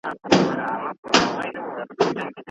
د کډوالو په وړاندي باید نرمښت وي.